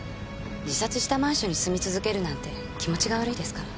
自殺したマンションに住み続けるなんて気持ちが悪いですから。